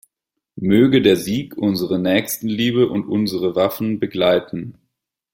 Möge der Sieg unsere Nächstenliebe und unsere Waffen begleiten.